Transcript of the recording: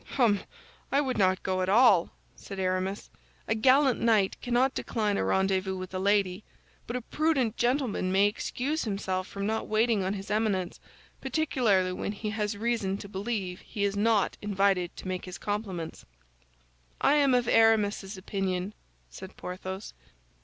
"Hum! I would not go at all," said Aramis. "A gallant knight cannot decline a rendezvous with a lady; but a prudent gentleman may excuse himself from not waiting on his Eminence, particularly when he has reason to believe he is not invited to make his compliments." "I am of Aramis's opinion," said Porthos.